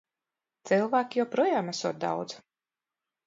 Cilvēki joprojām esot daudz.